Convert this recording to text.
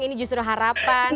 ini justru harapan